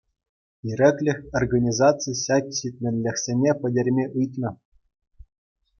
«Ирӗклӗх» организаци ҫак ҫитменлӗхсене пӗтерме ыйтнӑ.